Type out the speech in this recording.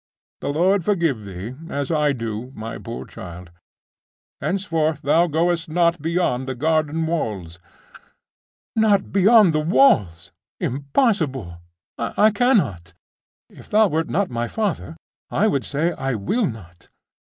The Lord forgive thee, as I do, my poor child; henceforth thou goest not beyond the garden walls.' 'Not beyond the walls! Impossible! I cannot! If thou wert not my father, I would say, I will not!